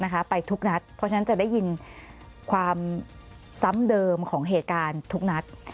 ไปทุกนัดเพราะฉะนั้นจะได้ยินความซ้ำเดิมของเหตุการณ์ทุกนัด